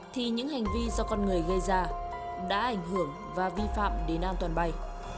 thì những hành vi do con người gây ra đã ảnh hưởng và vi phạm đến an toàn bay